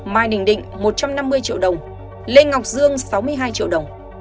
mai đình định một trăm năm mươi triệu đồng lê ngọc dương sáu mươi hai triệu đồng